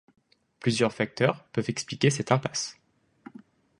Plusieurs facteurs peuvent expliquer cette impasse.